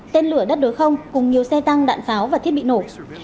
tên lửa đất đối không cùng nhiều xe tăng đạn pháo và thiết bị nổ